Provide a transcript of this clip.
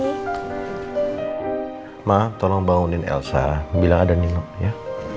hai ma tolong bangunin elsa bila ada nino ya